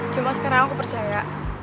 cuma sekarang aku percaya